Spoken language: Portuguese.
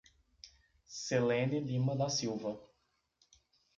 Celene Lima da Silva